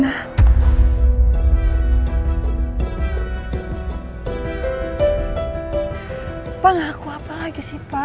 pak aku mau ngaku apa lagi sih pak